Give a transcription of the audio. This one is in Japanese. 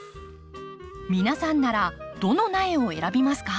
皆さんならどの苗を選びますか？